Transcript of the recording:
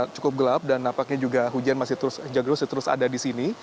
cukup gelap dan nampaknya juga hujan masih terus ada di sini